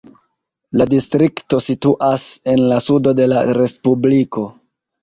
La distrikto situas en la sudo de la respubliko.